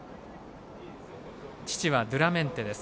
父はドゥラメンテです。